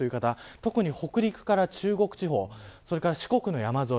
特に北陸から中国地方それから四国の山沿い